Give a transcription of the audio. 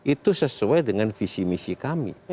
itu sesuai dengan visi misi kami